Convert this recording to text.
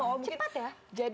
oh empat ya